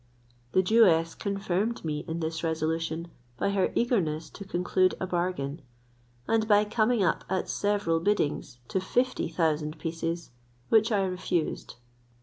The Jewess confirmed me in this resolution, by her eagerness to conclude a bargain; and by coming up at several biddings to fifty thousand pieces, which I refused.